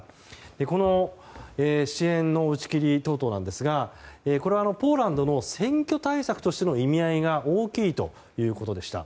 この支援の打ち切り等ですがこれはポーランドの選挙対策としての意味合いが大きいということでした。